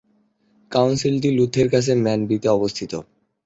কাউন্সিলটি লুথের কাছে ম্যানবিতে অবস্থিত।